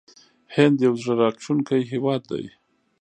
هند یو زړه راښکونکی هیواد دی.